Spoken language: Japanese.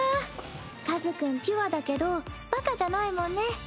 和君ピュアだけどバカじゃないもんね。